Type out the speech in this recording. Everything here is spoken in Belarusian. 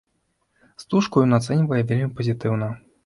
Стужку ён ацэньвае вельмі пазітыўна.